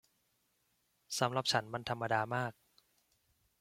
สำหรับฉันมันธรรมดามาก